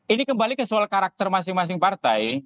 ini kembali ke soal karakter masing masing partai